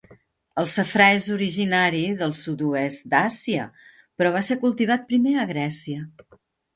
El safrà és originari del sud-oest d'Àsia, però va ser cultivat primer a Grècia.